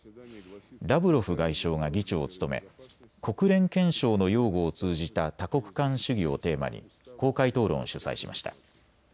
ラブロフ外相が議長を務め国連憲章の擁護を通じた多国間主義をテーマに公開討論を主催しました。